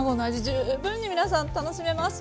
十分に皆さん楽しめます。